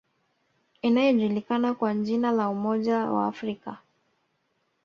Inayojulikana kwa jina la Umoja wa Afrika